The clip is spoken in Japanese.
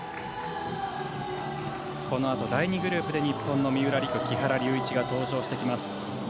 このあと、第２グループで日本の三浦璃来、木原龍一が登場してきます。